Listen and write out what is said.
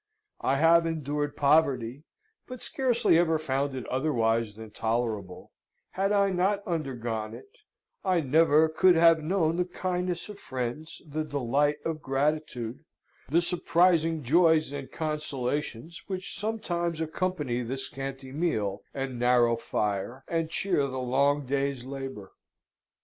I have endured poverty, but scarcely ever found it otherwise than tolerable: had I not undergone it, I never could have known the kindness of friends, the delight of gratitude, the surprising joys and consolations which sometimes accompany the scanty meal and narrow fire, and cheer the long day's labour.